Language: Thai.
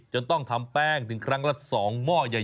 ต้องทำแป้งถึงครั้งละ๒หม้อใหญ่